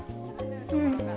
うん。